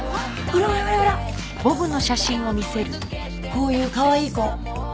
こういうかわいい子。